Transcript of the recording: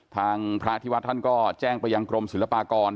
ทางพระอธิวัตรท่านก็แจ้งไปยังกรมสึงบากร